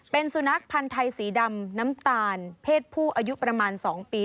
เป็นสุนัขพันธ์ไทยสีดำน้ำตาลเพศผู้อายุประมาณ๒ปี